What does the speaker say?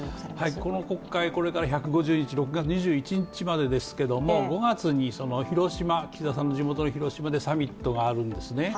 この国会、これから１５０日、６月２１日まですけど、５月に岸田さんの地元の広島でサミットがあるんですね。